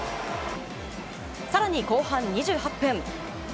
更に後半２８分。